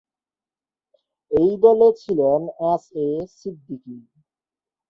এই দলে ছিলেন এস এ সিদ্দিকী।